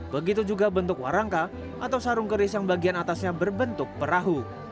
begitu juga bentuk warangka atau sarung keris yang bagian atasnya berbentuk perahu